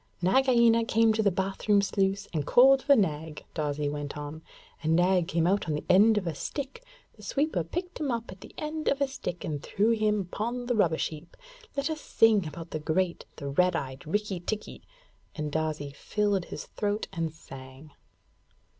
'Nagaina came to the bath room sluice and called for Nag,' Darzee went on; 'and Nag came out on the end of a stick the sweeper picked him up on the end of a stick and threw him upon the rubbish heap. Let us sing about the great, the red eyed Rikki tikki!' and Darzee filled his throat and sang.